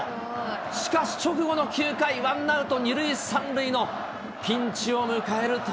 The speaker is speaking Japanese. しかし直後の９回、ワンアウト２塁３塁のピンチを迎えると。